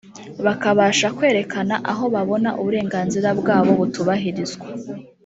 bakabasha kwerekana aho babona uburenganzira bwabo butubahirizwa